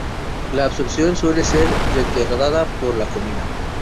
La absorción suele ser retardada por la comida.